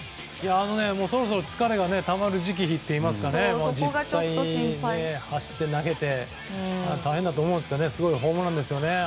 そろそろ疲れがたまる時期といいますか実際に、走って、投げて大変だと思うんですけどすごいホームランでしたよね。